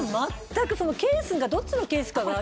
ケースがどっちのケースか？